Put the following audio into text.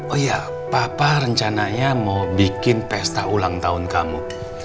oh ya papa rencananya mau bikin pesta ulang tahun kamu